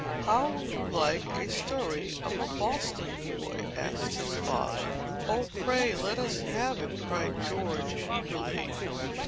"How would you like a story of a Boston boy?" asked his father. "Oh, pray let us have it!" cried George eagerly.